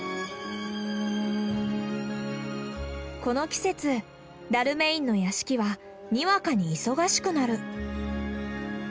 この季節ダルメインの屋敷はにわかに忙しくなる。